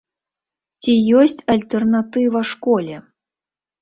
Ці ёсць альтэрнатыва школе?